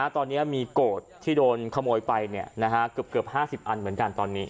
ตอนนี้มีโกรธที่โดนขโมยไปเกือบ๕๐อันเหมือนกันตอนนี้